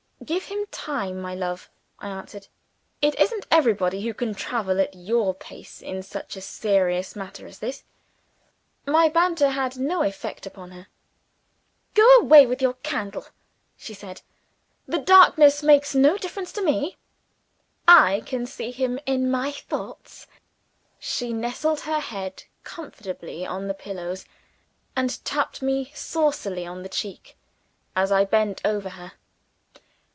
"Give him time, my love," I answered. "It isn't everybody who can travel at your pace in such a serious matter as this." My banter had no effect upon her. "Go away with your candle," she said. "The darkness makes no difference to me. I can see him in my thoughts." She nestled her head comfortably on the pillows, and tapped me saucily on the cheek, as I bent over her.